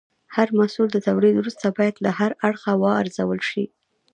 هر محصول له تولید وروسته باید له هر اړخه وارزول شي.